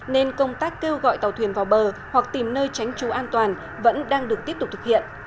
nên công tác kêu gọi tàu thuyền vào bờ hoặc tìm nơi tránh trú an toàn vẫn đang được tiếp tục thực hiện